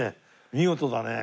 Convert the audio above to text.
見事だね。